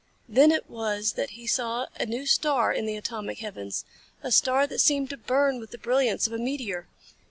Then it was that he saw a new star in the atomic heavens, a star that seemed to burn with the brilliance of a meteor.